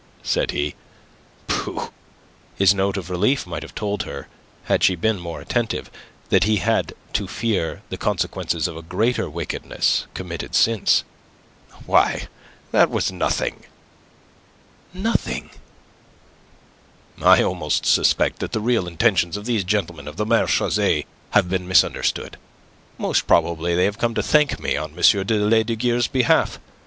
said he. "Pooh!" His note of relief might have told her, had she been more attentive, that he had to fear the consequences of a greater wickedness committed since. "Why, that was nothing." "Nothing?" "I almost suspect that the real intentions of these gentlemen of the marechaussee have been misunderstood. Most probably they have come to thank me on M. de Lesdiguieres' behalf.